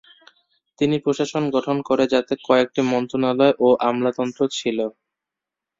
তিনি প্রশাসন গঠন করেন যাতে কয়েকটি মন্ত্রণালয় ও আমলাতন্ত্র ছিল।